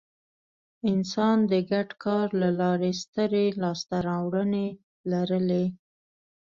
انسان د ګډ کار له لارې سترې لاستهراوړنې لرلې.